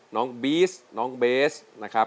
น้องบีสน้องเบสนะครับ